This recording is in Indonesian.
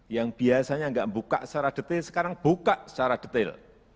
yang biasanya nggak buka secara detail sekarang buka secara detail